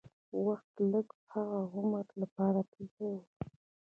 وخت لږ و، هغه عمرې لپاره تللی و.